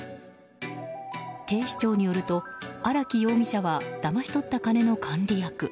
警視庁によると、荒木容疑者はだまし取った金の管理役。